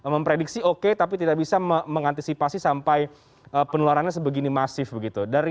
memprediksi oke tapi tidak bisa mengantisipasi sampai penularannya sebegini masif begitu